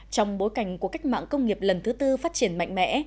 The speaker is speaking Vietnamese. trong bối cảnh của cách mạng công nghiệp lần thứ tư phát triển mạnh mẽ